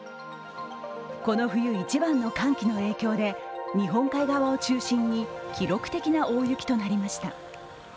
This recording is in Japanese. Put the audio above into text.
この冬一番の寒気の影響で、日本海側を中心に記録的な大雪となりました。